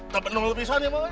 tepat nunggu lepisan ya bang